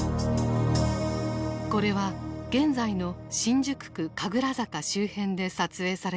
これは現在の新宿区神楽坂周辺で撮影された映像である。